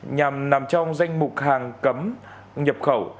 nhằm nằm trong danh mục hàng cấm nhập khẩu